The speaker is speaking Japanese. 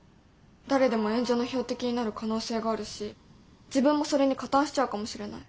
誰でも炎上の標的になる可能性があるし自分もそれに加担しちゃうかもしれない。